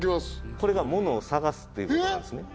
それが「物を探す」っていうことなんですね。